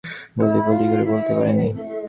বলি বলি করে বলতে পারিনি।